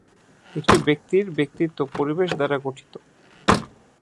একটি ব্যক্তির ব্যক্তিত্ব পরিবেশ দ্বারা গঠিত।